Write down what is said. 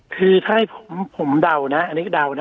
คือถ้าให้ผมดาวนะอันนี้ดาวนะ